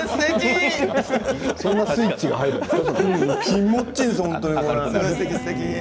そんなスイッチが入るんですね。